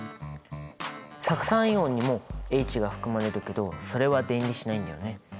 酢酸イオンにもＨが含まれるけどそれは電離しないんだよね。